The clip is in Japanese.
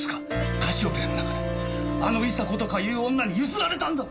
カシオペアの中であの伊沙子とかいう女にゆすられたんだ！